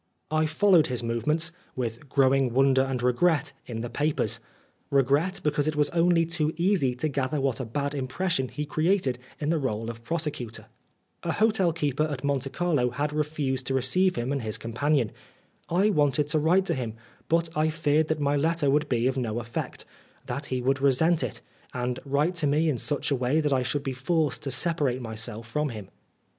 I followed his movements, with growing wonder and regret, in the papers, regret, because it was only too easy to gather what a bad impression he created in the r61e of prosecutor. A hotel keeper at Monte Carlo 121 Oscar Wilde had refused to receive him and his companion. I wanted to write to him, but I feared that my letter would be of no effect ; that he would resent it, and write to me in such a way that I should be forced to separate my self from him.